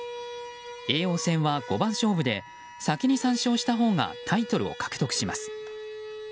叡王戦は五番勝負で先に３勝したほうがタイトルを獲得します。